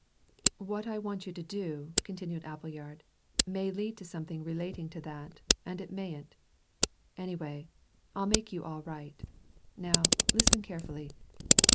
"What I want you to do," continued Appleyard, "may lead to something relating to that, and it mayn't. Anyway, I'll make you all right. Now, listen carefully.